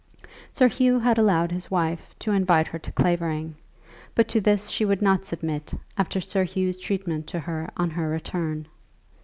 Sir Hugh had allowed his wife to invite her to Clavering, but to this she would not submit after Sir Hugh's treatment to her on her return.